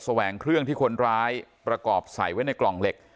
แหวงเครื่องที่คนร้ายประกอบใส่ไว้ในกล่องเหล็ก